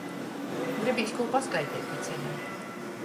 Gribīs kū paskaiteit pa ceļam.